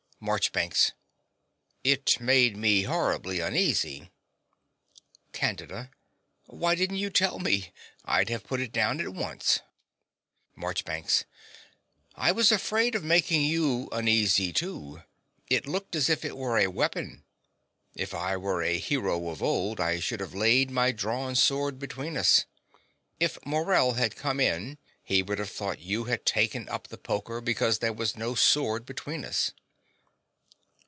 MARCHBANKS. It made me horribly uneasy. CANDIDA. Why didn't you tell me? I'd have put it down at once. MARCHBANKS. I was afraid of making you uneasy, too. It looked as if it were a weapon. If I were a hero of old, I should have laid my drawn sword between us. If Morell had come in he would have thought you had taken up the poker because there was no sword between us.